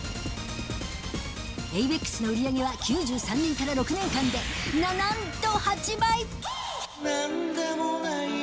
ａｖｅｘの売り上げは、９３年から６年間で、な、なんと、８倍。